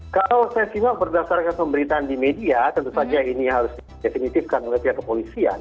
kalau saya simak berdasarkan pemberitaan di media tentu saja ini harus didefinitifkan oleh pihak kepolisian